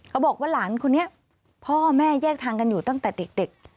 เขาบอกว่าหลานคนนี้พ่อแม่แยกทางกันอยู่ตั้งแต่เด็ก